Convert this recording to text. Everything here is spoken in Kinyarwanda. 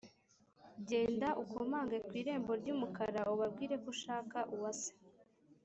Genda ukomange kwi rembo ryumukara ubabwire kushaka uwase